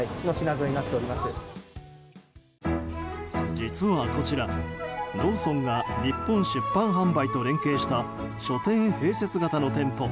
実はこちらローソンが日本出版販売と連携した書店併設型の店舗